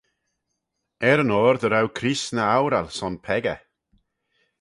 Er-yn-oyr dy row Creest ny oural son peccah.